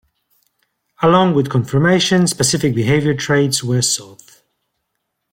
Along with conformation, specific behaviour traits were sought.